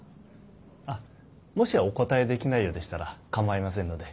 もしお答えできないようでしたら構いませんので。